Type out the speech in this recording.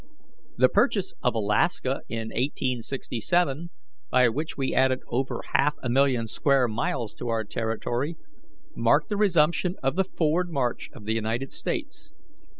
The purchase of Alaska in 1867, by which we added over half a million square miles to our territory, marked the resumption of the forward march of the United States.